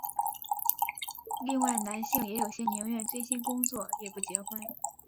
另外男性也有些宁愿醉心工作也不结婚。